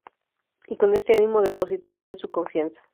Y con este ánimo depositó en Él su confianza.